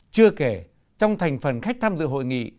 chưa kể trong thành phần khách tham dự hội nghị